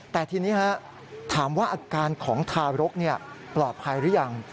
แต่ทีนี้ถามว่าอาการของทารกปลอดภัยหรือยัง